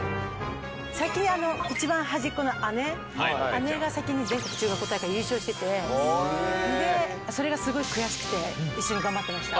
先に、一番端っこの姉、姉が先に全国中学校大会、優勝してて、で、それがすごい悔しくて、一緒に頑張ってました。